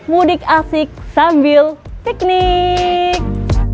mudik asik sambil piknik